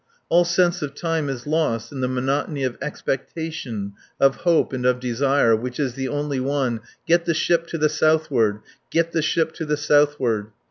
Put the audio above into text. All sense of time is lost in the monotony of expectation, of hope, and of desire which is only one: Get the ship to the southward! Get the ship to the southward!